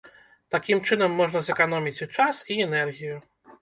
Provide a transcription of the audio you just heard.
Такім чынам можна зэканоміць і час, і энергію.